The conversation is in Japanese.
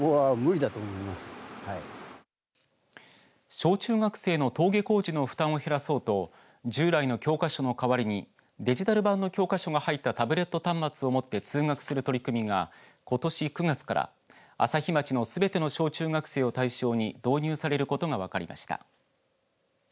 小中学生の登下校時の負担を減らそうと従来の教科書の代わりにデジタル版の教科書が入ったタブレット端末を持って通学する取り組みがことし９月から朝日町のすべての小中学生を対象に導入されることが分かりました。